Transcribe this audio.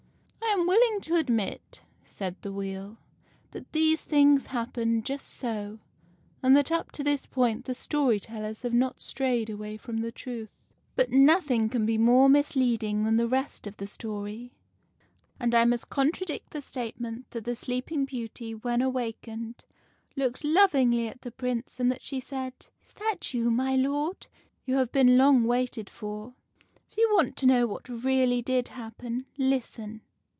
" I am willing to admit," said the Wheel, " that these things happened just so, and that up to this point the story tellers have not strayed away from the truth. But nothing can be more misleading than the rest of the story ; and I must con tradict the statement that the Sleeping Beauty, when awak ened, looked lovingly at the Prince, and that she said :' Is that you, my lord ? You have been long waited for.' " If you want to know what really did happen, listen.